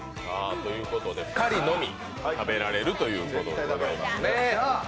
２人のみ食べられるということでございますね。